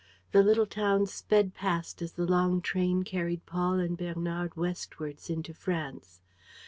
... The little towns sped past as the long train carried Paul and Bernard westwards into France.